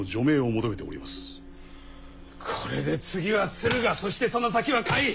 これで次は駿河そしてその先は甲斐！